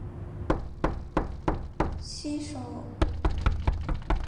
四手井纲正为日本陆军军人。